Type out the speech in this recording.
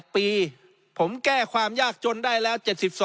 ปีผมแก้ความยากจนได้แล้ว๗๒